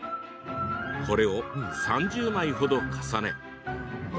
これを３０枚ほど重ね